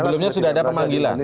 sebelumnya sudah ada memanggilan